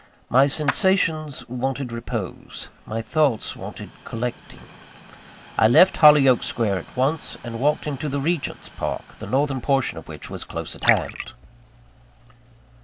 My sensations wanted repose; my thoughts wanted collecting. I left Hollyoake Square at once, and walked into the Regent's Park, the northern portion of which was close at hand.